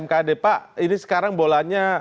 mkd pak ini sekarang bolanya